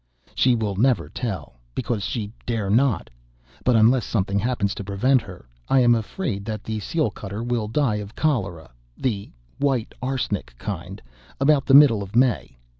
She will never tell, because she dare not; but, unless something happens to prevent her, I am afraid that the seal cutter will die of cholera the white arsenic kind about the middle of May.